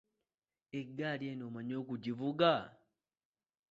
Eggali eno omanyi okugivuga?